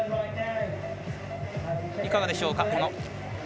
いかがでしょうか。